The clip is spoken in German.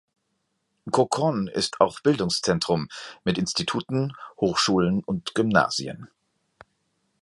Qoʻqon ist auch Bildungszentrum mit Instituten, Hochschulen und Gymnasien.